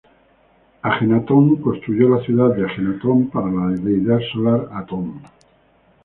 Ajenatón construyó la ciudad de Ajetatón para la deidad solar Atón.